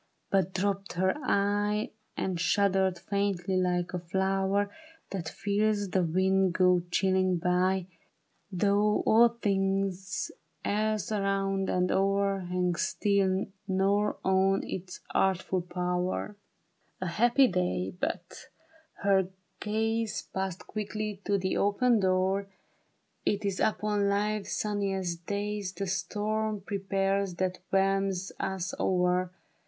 But dropped her eye And shuddered faintly like a flower That feels the wind go chilling by, Though all things else around and o'er Hang still nor own its artful power. 115 1 5 THJ^ BARRICADE. " A happy day, but —" and her gaze Passed quickly to the open door —" It is upon life's sunniest days The storm prepares that whelms us o'er."